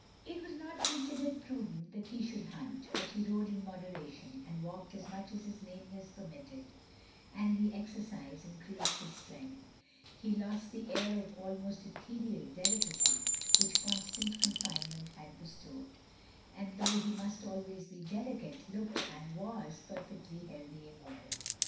It was not considered prudent that he should hunt, but he rode in moderation, and walked as much as his lameness permitted, and the exer cise increased his strength; he lost the air of almost ethereal delicacy which constant con finement had bestowed, and though he must always be delicate, looked and was, perfectly healthy and well.